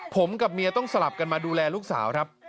ผมกับเมียต้องสลับกันมาดูแลลูกสาวครับ